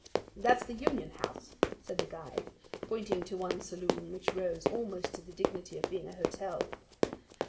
"That's the Union House," said the guide, pointing to one saloon which rose almost to the dignity of being a hotel.